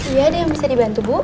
iya ada yang bisa dibantu bu